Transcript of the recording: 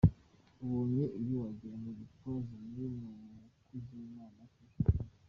Ubonye ibi wagirango Gitwaza niwe mukozi w’imana kurusha abandi.